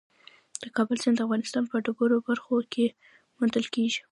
د کابل سیند د افغانستان په ډېرو برخو کې موندل کېږي.